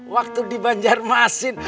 waktu dibanjar masin